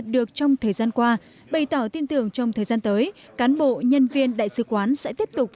được trong thời gian qua bày tỏ tin tưởng trong thời gian tới cán bộ nhân viên đại sứ quán sẽ tiếp tục